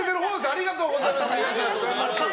ありがとうございます。